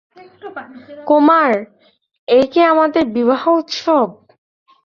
কুমার, এই কি আমাদের বিবাহ-উৎসব?